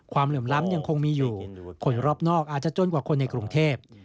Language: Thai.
เหลื่อมล้ำยังคงมีอยู่คนรอบนอกอาจจะจนกว่าคนในกรุงเทพ